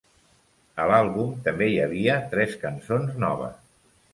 A l'àlbum també hi havia tres cançons noves.